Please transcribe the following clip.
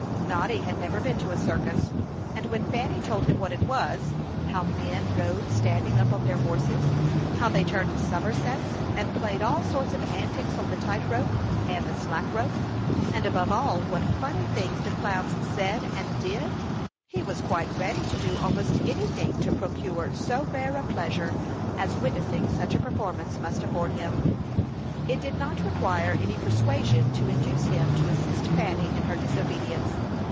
Noddy had never been to a circus; and when Fanny told him what it was, how men rode standing up on their horses; how they turned somersets, and played all sorts of antics on the tight rope and the slack rope; and, above all, what funny things the clowns said and did, he was quite ready to do almost anything to procure so rare a pleasure as witnessing such a performance must afford him. It did not require any persuasion to induce him to assist Fanny in her disobedience.